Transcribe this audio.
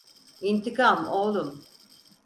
İntikam oğlum…